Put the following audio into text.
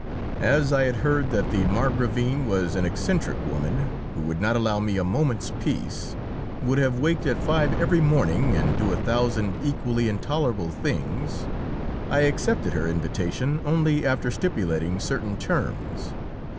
As I had heard that the Margravine was an eccentric woman, who would not allow me a moment's peace, would have me waked at five every morning, and do a thousand equally intolerable things, I accepted her invitation only after stipulating certain terms.